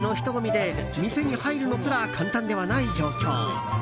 かなりの人混みで店に入るのすら簡単ではない状況。